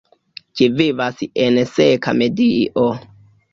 Ĝi vivas en seka medio.